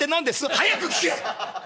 「早く聞け！